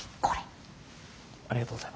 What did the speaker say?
ありがとうございます。